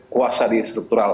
kuasa di struktural